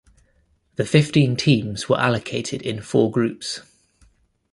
The fifteen teams were allocated in four groups.